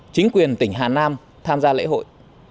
chính quyền tỉnh hà nam tham gia lễ hội